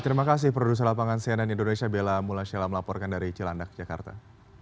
terima kasih produser lapangan cnn indonesia bella mulasela melaporkan dari cilandak jakarta